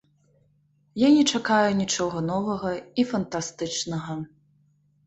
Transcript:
Я не чакаю нічога новага і фантастычнага.